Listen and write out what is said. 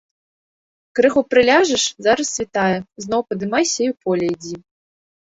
Крыху прыляжаш, зараз світае, зноў падымайся і ў поле ідзі.